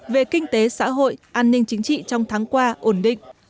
về kinh tế xã hội an ninh chính trị trong tháng qua ổn định